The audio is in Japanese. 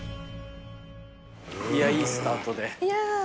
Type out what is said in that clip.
いいスタートで。